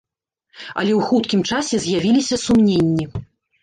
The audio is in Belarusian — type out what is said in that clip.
Але ў хуткім часе з'явіліся сумненні.